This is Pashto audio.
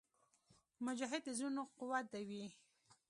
مجاهد د زړونو قوت وي.